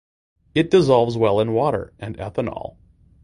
It dissolves well in water and ethanol.